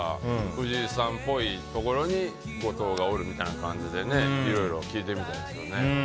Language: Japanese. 藤井さんっぽいところに後藤がおるみたいな感じでねいろいろ聴いてみたいですよね。